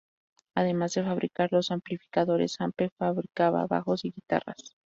Además de fabricar los amplificadores, Ampeg fabricaba bajos y guitarras.